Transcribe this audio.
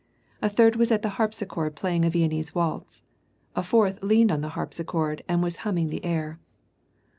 A third was at the harpsichord playing a Viennese waltz \ a fourth leaned on the harpsichord and was hamming the air.